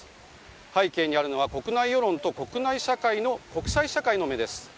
背景にあるのは、国内世論と国際社会の目です。